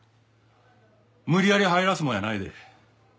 無理やり入らすもんやないで。